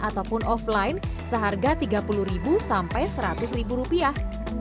ataupun offline seharga tiga puluh sampai seratus rupiah